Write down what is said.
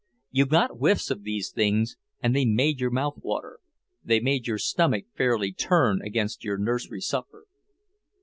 You got whiffs of these things and they made your mouth water, they made your stomach fairly turn against your nursery supper.